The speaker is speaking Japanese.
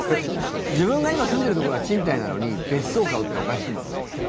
自分が今住んでるところが賃貸なのに別荘買うっておかしいもんね。